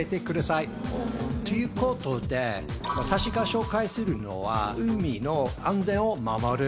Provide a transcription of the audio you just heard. ということで私が紹介するのは。